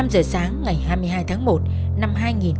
năm giờ sáng ngày hai mươi hai tháng một năm hai nghìn một mươi hai